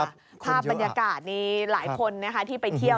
ภาพบรรยากาศนี้หลายคนนะคะที่ไปเที่ยว